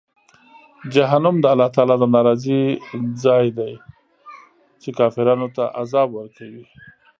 جهنم د الله تعالی د ناراضۍ ځای دی، چې کافرانو ته عذاب ورکوي.